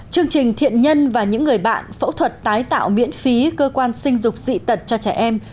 chương trình thiện nhân và những người bạn phẫu thuật tái tạo miễn phí cơ quan sinh dục dị tật cho trẻ em